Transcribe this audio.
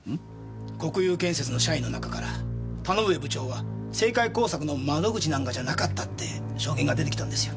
国裕建設の社員の中から田ノ上部長は政界工作の窓口なんかじゃなかったって証言が出てきたんですよ。